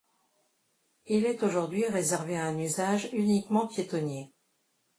Il est aujourd'hui réservé à un usage uniquement piétonnier.